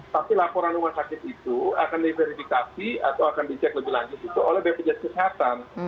tapi laporan rumah sakit itu akan diverifikasi atau akan dicek lebih lanjut itu oleh bpjs kesehatan